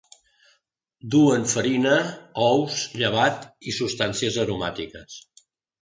Duen farina, ous, llevat i substàncies aromàtiques.